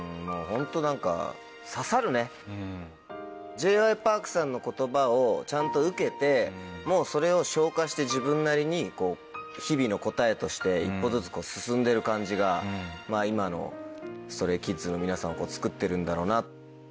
Ｊ．Ｙ．Ｐａｒｋさんの言葉をちゃんと受けてもうそれを消化して自分なりに日々の答えとして一歩ずつ進んでる感じが今のＳｔｒａｙＫｉｄｓの皆さんをつくってるんだろうな。